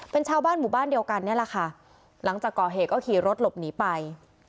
เป็นชาวบ้านหมู่บ้านเดียวกันนี่แหละค่ะหลังจากก่อเหตุก็ขี่รถหลบหนีไป